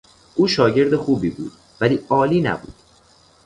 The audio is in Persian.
او شاگرد خوبی بود ولی عالی نبود.